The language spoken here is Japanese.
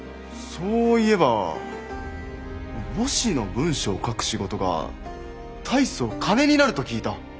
そういえば墓誌の文章を書く仕事が大層金になると聞いた。